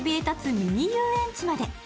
ミニ遊園地まで。